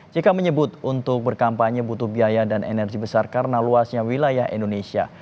jk menyebut untuk berkampanye butuh biaya dan energi besar karena luasnya wilayah indonesia